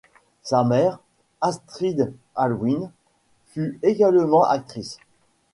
Sa mère, Astrid Allwyn, fut également actrice.